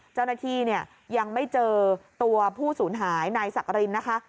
เจ้าหน้าที่เนี่ยยังไม่เจอตัวผู้สูญหายนายสักกรินนะคะ